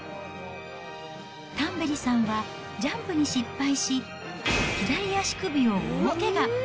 タンベリさんはジャンプに失敗し、左足首を大けが。